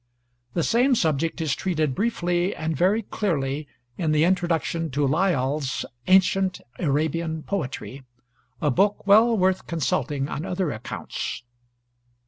The same subject is treated briefly and very clearly in the introduction to Lyall's 'Ancient Arabian Poetry' a book well worth consulting on other accounts.